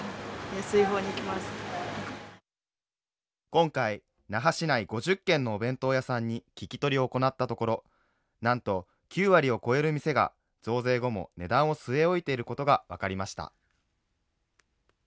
今回那覇市内５０件のお弁当屋さんに聞き取りを行ったところなんと９割を超える店が増税後も値段を据え置いていることが分かりました